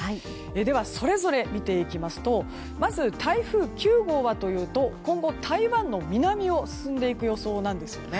では、それぞれ見ていきますとまず台風９号はというと今後、台湾の南を進んでいく予想なんですね。